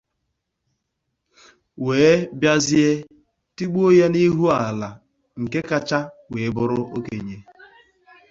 wee bịazie tigbuo ya n'ihu ala nke kacha wee bụrụ okenye